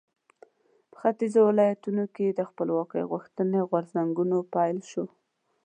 په ختیځو ولایاتو کې د خپلواکۍ غوښتنې غورځنګونو پیل شو.